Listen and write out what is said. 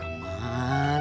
kamu mana idan